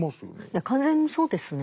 いや完全にそうですね。